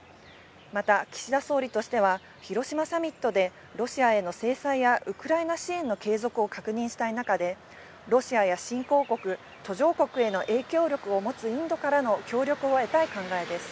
また岸田総理としては、広島サミットでロシアへの制裁やウクライナ支援の継続を確認したい中で、ロシアや新興国、途上国への影響力を持つインドからの協力を得たい考えです。